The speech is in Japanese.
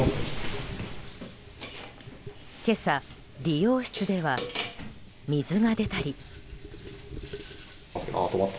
今朝、美容室では水が出たり。